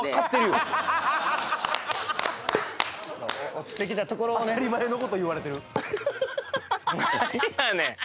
落ちてきたところをね当たり前のこと言われてるははははっ